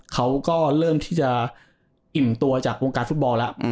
เขาก็เริ่มที่จะอิ่มตัวจากวงการฟุตบอลแล้ว